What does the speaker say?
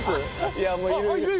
いやもういるいる。